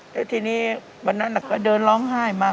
แล้วทีนี้วันนั้นก็เดินร้องไห้มา